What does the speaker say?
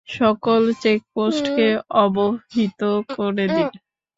সকল চেকপোস্টকে অবহিত করে দিন।